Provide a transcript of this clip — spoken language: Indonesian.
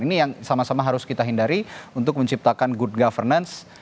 ini yang sama sama harus kita hindari untuk menciptakan good governance